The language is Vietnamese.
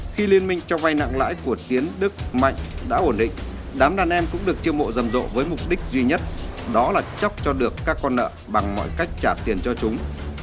khi liên minh cho vay nặng lãi của tiến đức mạnh đã ổn định đám đàn em cũng được chiêu mộ rầm rộ với mục đích duy nhất đó là chóc cho được các con nợ bằng mọi cách trả tiền cho chúng